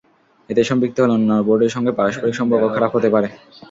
এতে সম্পৃক্ত হলে অন্যান্য বোর্ডের সঙ্গে পারস্পরিক সম্পর্ক খারাপ হতে পারে।